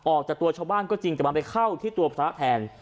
ออกจากตัวชาวบ้านก็จริงแต่มันไปเข้าที่ตัวพระแทน